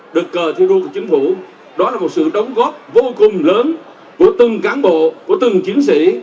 được cờ thi đua của chính phủ đó là một sự đóng góp vô cùng lớn của từng cán bộ của từng chiến sĩ